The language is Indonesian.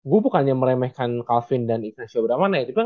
gue bukannya meremehkan carlsen dan ignacio bram